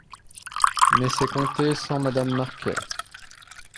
Mais c’est compter sans Madame Marquet.